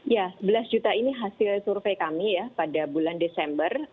ya sebelas juta ini hasil survei kami ya pada bulan desember